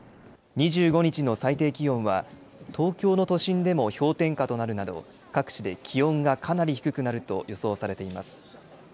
２５日の最低気温は、東京の都心でも氷点下となるなど、各地で気温がかなり低くなると予想されています。